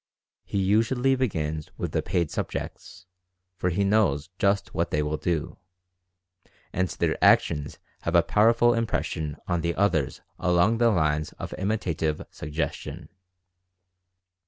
He usually begins with the paid subjects, for he knows just what they will do. and their actions have a powerful impression on the others along the lines of imitative suggestion.